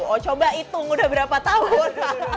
oh coba hitung udah berapa tahun